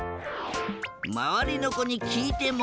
まわりのこにきいても。